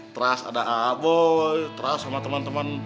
terus ada abo terus sama teman teman